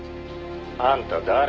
「あんた誰？」